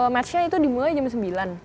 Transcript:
matchnya itu dimulai jam sembilan